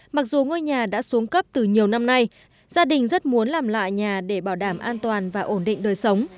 mặc dù ngôi nhà đã xuống cấp từ nhiều năm nay gia đình rất muốn làm lại nhà để bảo đảm an toàn và ổn định đời sống